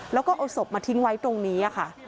แล้วก็เอาศพมาทิ้งไว้ตรงนี้ค่ะ